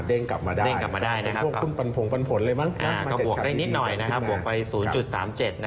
เอ้าเอานะครับเก็บเข้าพอร์ตนะ